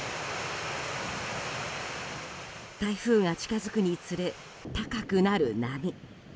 台風が近づくにつれ高くなる波。